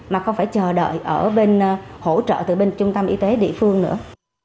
mà không phải chờ đợi ở bên hỗ trợ từ bên trung tâm y tế địa phương nữa